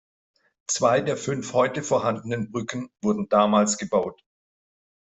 Zwei der fünf heute vorhandenen Brücken wurden damals gebaut.